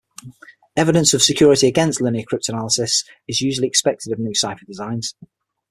Evidence of security against linear cryptanalysis is usually expected of new cipher designs.